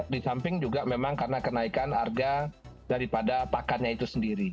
di samping juga memang karena kenaikan harga daripada pakannya itu sendiri